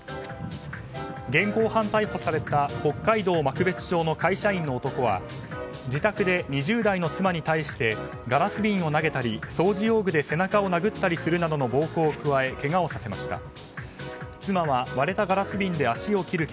現行犯逮捕された北海道幕別町の会社員の男は自宅で２０代の妻に対してガラス瓶を投げたり、掃除用具で背中を殴ったりするなどの暴行を加えけがをさせました。